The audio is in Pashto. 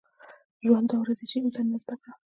ژوند دوه ورځې شي، انسانیت زده کړه.